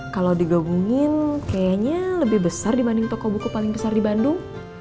kalau digabungin kayaknya lebih besar dibanding toko buku paling besar di bandung